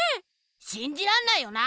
しんじらんないよな！